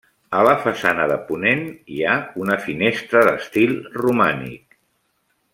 A la façana de ponent hi ha una finestra d'estil romànic.